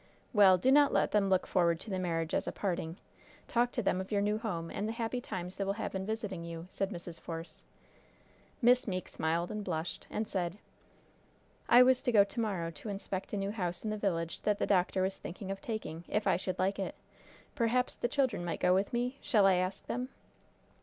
"Well, do not let them look forward to the marriage as a parting. Talk to them of your new home, and the happy times they will have in visiting you," said Mrs. Force. Miss Meeke smiled and blushed, and said: "I was to go to morrow to inspect a new house in the village that the doctor was thinking of taking, if I should like it. Perhaps the children might go with me. Shall I ask them?"